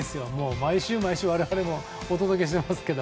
毎週毎週我々もお届けしてますけど。